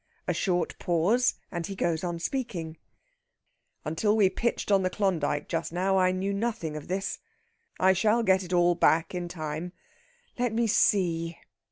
A short pause, and he goes on speaking: "Until we pitched on the Klondyke just now I knew nothing of this. I shall get it all back in time. Let me see!..."